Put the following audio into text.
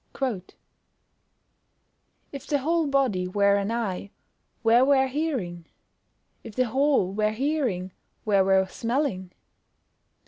[Verse: "If the whole body were an eye, where were hearing? if the whole were hearing, where were smelling?"